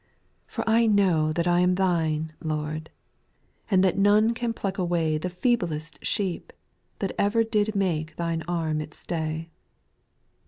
9. For I know that I am Thine, Lord, And that none can pluck away The feeblest sheep that ever Did make Thine arm its stay.